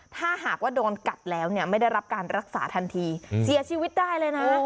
ถ้าหากว่าโดนกัดแล้วเนี่ยไม่ได้รับการรักษาทันทีเสียชีวิตได้เลยนะ